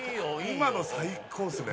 今の最高っすね